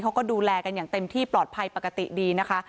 เขาก็ดูแลกันอย่างเต็มที่ปลอดภัยปกติดีนะคะ